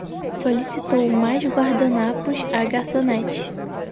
Solicitou mais guardanapos à garçonete